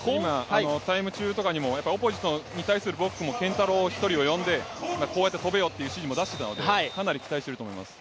タイム中とかにもオポジットとかに対する指示もブロックも健太郎１人を呼んでこうやって跳べよという指示も出していたのでかなり期待してると思います。